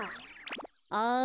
あん。